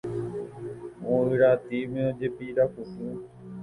Guyratĩme ojepirakutu.